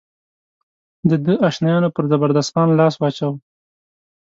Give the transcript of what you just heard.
د ده اشنایانو پر زبردست خان لاس واچاوه.